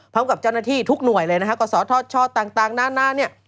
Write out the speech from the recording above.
พร้อมกับเจ้าหน้าที่ทุกหน่วยเลยนะฮะกศธชต่างนานเนี่ย